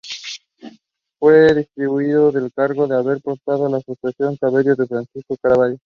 Fue destituido de su cargo por haber apoyado la frustrada rebelión de Francisco Caraballo.